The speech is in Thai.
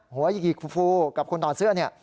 หัวหยิกฟูกับคนนอนเสื้อเนี่ย